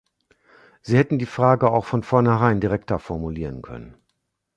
Sie hätten die Frage auch von vornherein direkter formulieren können.